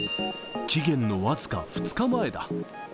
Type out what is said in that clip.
期限の僅か２日前だ。